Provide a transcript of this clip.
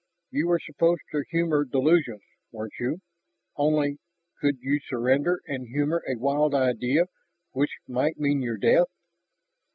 You were supposed to humor delusions, weren't you? Only, could you surrender and humor a wild idea which might mean your death?